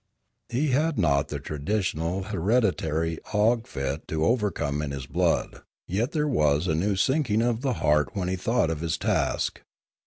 He had not the traditional and hereditary ague fit to overcome in his blood, yet there was a new sinking of the heart when he thought of his task.